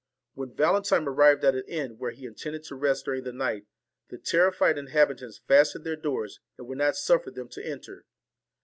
When Valentine arrived at an inn where VALEN he intended to rest during the night, the terrified inhabitants fastened their doors, and would not suffer them to enter.